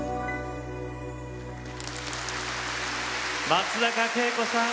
松坂慶子さん